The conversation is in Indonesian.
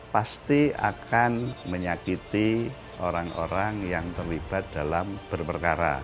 pasti akan menyakiti orang orang yang terlibat dalam berperkara